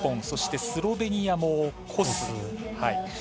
そして、スロベニアもコス。